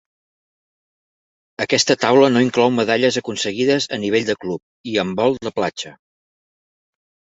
Aquesta taula no inclou medalles aconseguides a nivell de club i handbol de platja.